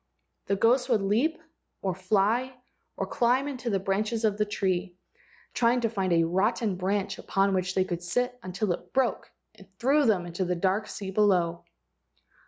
The ghosts would leap or fly or climb into the branches of this tree, trying to find a rotten branch upon which they could sit until it broke and threw them into the dark sea below.